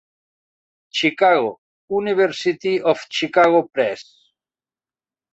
Chicago: University of Chicago Press.